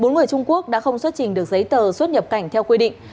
bốn người trung quốc đã không xuất trình được giấy tờ xuất nhập cảnh theo quy định